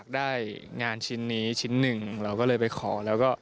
บังก์เรียกหน่อยค่ะ